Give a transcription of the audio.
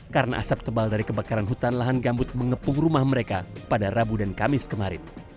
karena asap tebal dari kebakaran hutan lahan gambut mengepung rumah mereka pada rabu dan kamis kemarin